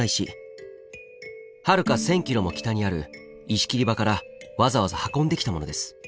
はるか１０００ｋｍも北にある石切り場からわざわざ運んできたものです。